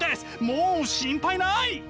もう心配ない！